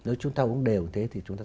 nếu chúng ta không đều như thế